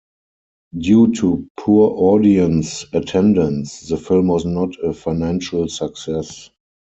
Due to poor audience attendance, the film was not a financial success.